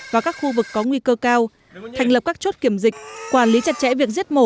và các khu vực có nguy cơ cao thành lập các chốt kiểm dịch quản lý chặt chẽ việc giết mổ